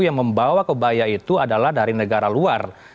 yang membawa kebaya itu adalah dari negara luar